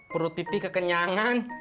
perut pipi kekenyangan